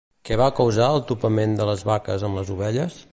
Què va causar el topament de les vaques amb les ovelles?